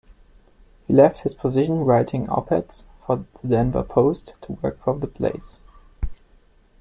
He left his position writing op-eds for "The Denver Post" to work for TheBlaze.